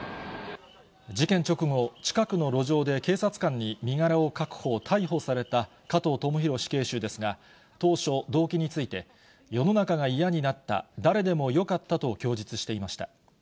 事件直後、近くの路上で警察官に身柄を確保、逮捕された加藤智大死刑囚ですが、当初、動機について、世の中が嫌になった、誰でもよかったと供述していました。